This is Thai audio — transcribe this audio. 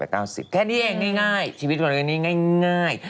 แค่นี้เองง่ายชีวิตวันนี้ง่าย